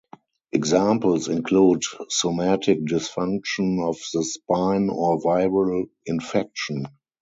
Examples include somatic dysfunction of the spine or viral infection.